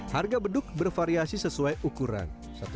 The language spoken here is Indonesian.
harga beduk bervariasi sesuai ukuran